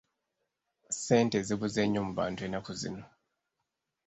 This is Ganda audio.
Ssente zibuze nnyo mu bantu ennaku zino.